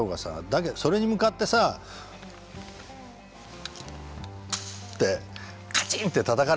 だけどそれに向かってさ。ってカチンってたたかれるとさ